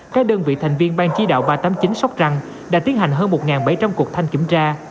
các đơn vị thành viên ban chỉ đạo ba trăm tám mươi chín sóc trăng đã tiến hành hơn một bảy trăm linh cuộc thanh kiểm tra